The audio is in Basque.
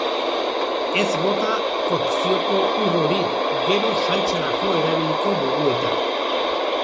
Ez bota kokzioko ur hori, gero saltsarako erabiliko dugu eta.